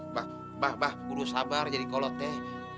mbak mbak mbak perlu sabar jadi kolot teh